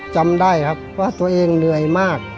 จำได้ครับว่าตัวเองเหนื่อยมาก